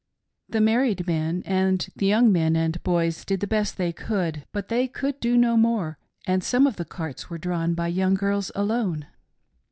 The married men and the young men and boys did the best they could, but they could do no more, and some of the carts were drawn by young' girls alone.